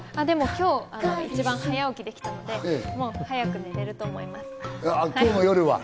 今日一番早起きできたので、早く寝ると思います。